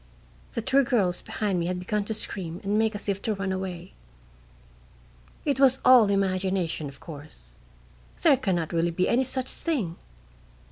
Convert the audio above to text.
(The two girls behind me had begun to scream and make as if to run away.) "It was all imagination, of course there can not really be any such thing.